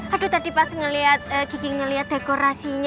aduh tadi pas ngeliat kiki ngeliat dekorasinya